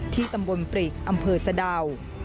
ตำบลปริกอำเภอสะดาว